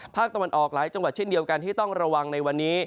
ภาคตะวันออกหลายจังหวัดเช่นเดียวกันที่ต้องระวังในวันนี้